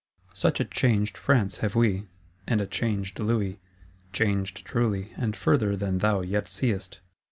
Such a changed France have we; and a changed Louis. Changed, truly; and further than thou yet seest!